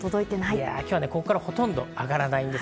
今日はここからほとんど上がらないです。